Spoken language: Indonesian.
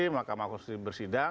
makam konstitusi bersidang